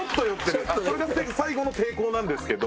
それが最後の抵抗なんですけど。